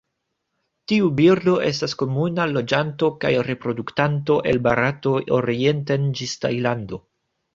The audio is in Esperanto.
Tiu birdo estas komuna loĝanto kaj reproduktanto el Barato orienten ĝis Tajlando.